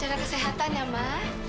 cara kesehatan ya ma